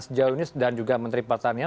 sejauh ini dan juga menteri pertanian